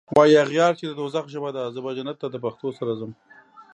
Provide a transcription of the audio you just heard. واي اغیار چی د دوږخ ژبه ده زه به جنت ته دپښتو سره ځم